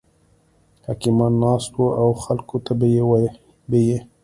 حکیمان ناست وو او خلکو ته به یې